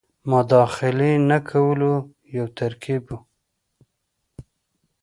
مداخلې نه کولو یو ترکیب وو.